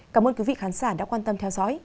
cảm ơn quý vị khán giả đã quan tâm theo dõi